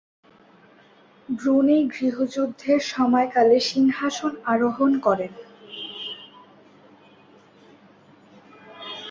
Brunei গৃহযুদ্ধের সময়কালে সিংহাসন আরোহণ করেন।